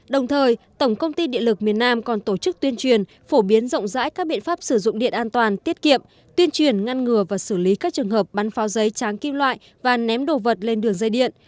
đồng thời tổng công ty điện lực miền nam còn tổ chức tuyên truyền phổ biến rộng rãi các biện pháp sử dụng điện an toàn tiết kiệm tuyên truyền ngăn ngừa và xử lý các trường hợp bắn pháo giấy tráng kim loại và ném đồ vật lên đường dây điện